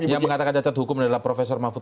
yang mengatakan jacat hukum adalah profesor mahfud md